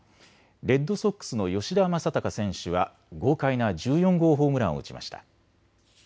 レッドソックスの吉田正尚選手は豪快な１４号ホームランを打ちました。